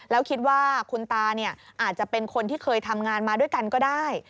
แล้วคิดว่าคุณตาเนี่ยอาจจะเป็นคนที่เคยทำงานมาด้วยกันก็ได้